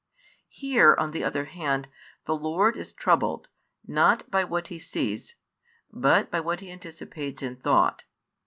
Here, on the other hand, the Lord is troubled, not by what He sees, but by what He anticipates in thought.